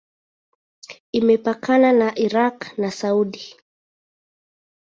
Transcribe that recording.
Imepakana na Irak na Saudia.